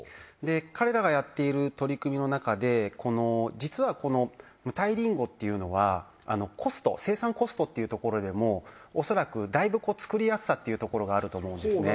彼らがやっている取り組みの中で実はこの無袋りんごっていうのはコスト生産コストっていうところでもおそらくだいぶ作りやすさというところがあると思うんですね。